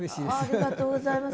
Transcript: ありがとうございます。